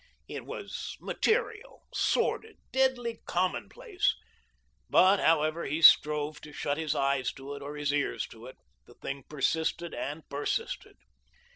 It was material, sordid, deadly commonplace. But, however he strove to shut his eyes to it or his ears to it, the thing persisted and persisted.